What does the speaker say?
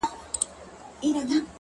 هغه وای نه چي څوم چي ويني سجده نه کوي!!